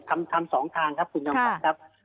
ทำสองทางครับคุณน้องศักดิ์